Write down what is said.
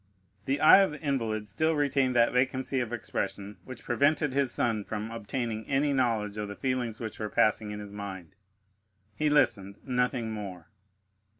The eye of the invalid still retained that vacancy of expression which prevented his son from obtaining any knowledge of the feelings which were passing in his mind; he listened, nothing more.